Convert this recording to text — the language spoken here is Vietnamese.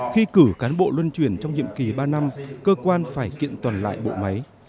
khi cử cán bộ luân truyền trong nhiệm kỳ ba năm cơ quan phải kiện toàn lại bộ máy